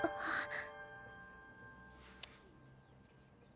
ああ。